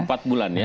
empat bulan ya